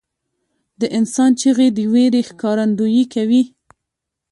• د انسان چیغې د وېرې ښکارندویي کوي.